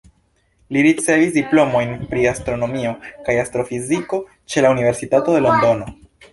Li ricevis diplomojn pri astronomio kaj astrofiziko ĉe la Universitato de Londono.